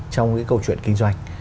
trong những câu chuyện kinh doanh